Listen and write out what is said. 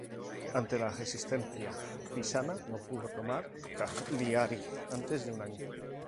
Ante la resistencia pisana no pudo tomar Cagliari antes de un año.